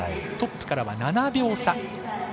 トップからは７秒差。